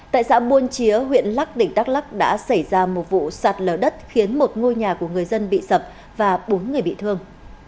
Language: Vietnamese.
tại xã buôn chĩa huyện lắc tỉnh đắk lắc đã xảy ra một vụ sạt lở đất khiến một ngôi nhà của người dân bị sập và bốn người bị thương